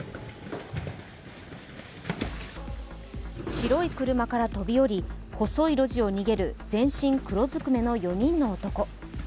白い車から飛び降り細い路地を逃げる全身黒ずくめの４人の男。